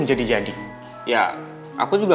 jadi jadi ya aku juga